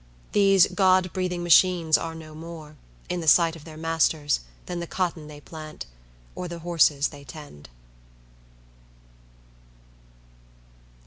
These God breathing machines are no more, in the sight of their masters, than the cotton they plant, or the horses they tend.